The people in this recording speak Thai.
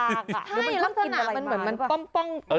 คือลักษณะมันเหมือนมันป้อง